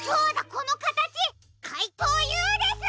このかたちかいとうＵです！